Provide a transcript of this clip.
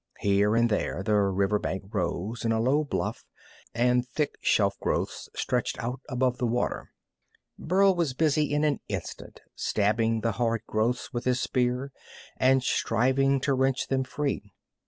Here and there the river bank rose in a low bluff, and thick shelf growths stretched out above the water. Burl was busy in an instant, stabbing the hard growths with his spear and striving to wrench them free.